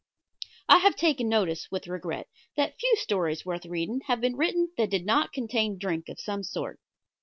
I have taken notice with regret, that few stories worth reading have been written that did not contain drink of some sort.